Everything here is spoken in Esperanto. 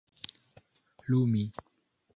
lumi